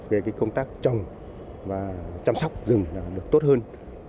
về công tác trồng và chăm sóc rừng được tốt hơn